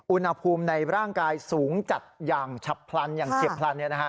อุณหภูมิในร่างกายสูงจัดอย่างเฉียบพลัน